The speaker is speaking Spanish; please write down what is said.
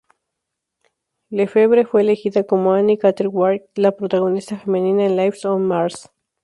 Lefevre fue elegida como Annie Cartwright, la protagonista femenina en Life on Mars.